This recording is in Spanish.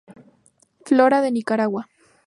Flora de Nicaragua.